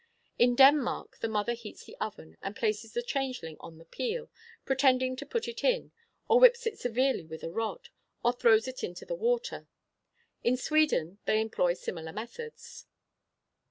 In Denmark the mother heats the oven, and places the changeling on the peel, pretending to put it in; or whips it severely with a rod; or throws it into the water. In Sweden they employ similar methods.